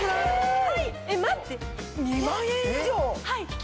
はい！